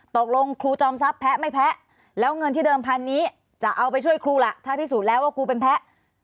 ตกลงครูจอมทรัพย์แพ้ไม่แพ้แล้วเงินที่เดิมพันนี้จะเอาไปช่วยครูล่ะถ้าพิสูจน์แล้วว่าครูเป็นแพ้